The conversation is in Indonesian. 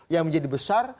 yang menjadi besar